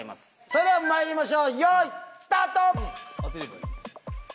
それではまいりましょうよいスタート！